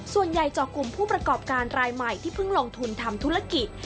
ส่วนใหญ่เจาะกลุ่มผู้ประกอบการรายใหม่ที่เพิ่งลงทุนทำธุรกิจ